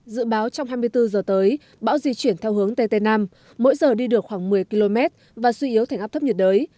dự báo trong hai mươi bốn giờ tới bão di chuyển theo hướng tây tây nam mỗi giờ đi được khoảng một mươi km và suy yếu thành áp thấp nhiệt đới